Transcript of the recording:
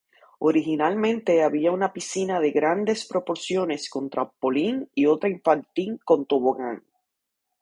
Originalmente había una piscina de grandes proporciones con trampolín y otra infantil con tobogán.